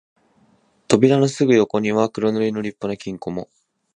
扉のすぐ横には黒塗りの立派な金庫も、